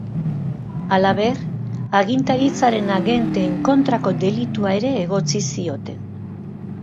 Halaber, agintaritzaren agenteen kontrako delitua ere egotzi zioten.